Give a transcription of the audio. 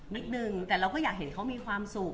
นิดนึงแต่เราก็อยากเห็นเขามีความสุข